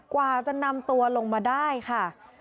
กว่าจะนำตัวลงมาได้ค่ะ